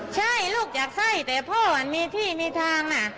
ใช่ลูกอยากไส้แต่พ่อมีที่มีทาง